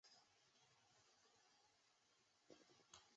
列辛顿是一个位于美国密西西比州霍尔姆斯县的城市。